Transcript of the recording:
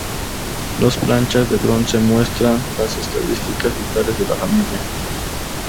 Dos planchas de bronce muestran las estadísticas vitales de la familia.